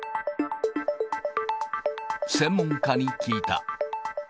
専門家に聞いた。